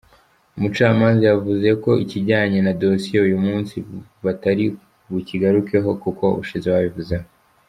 Umucamanza yavuze ko ikijyanye na Dossier uyu munsi batari bukigarukeho kuko ubushize babivuzeho.